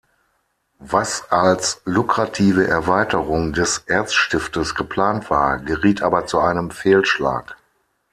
Was als lukrative Erweiterung des Erzstiftes geplant war, geriet aber zu einem Fehlschlag.